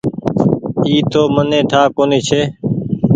اي تو مني ٺآ ڪونيٚ ڇي ۔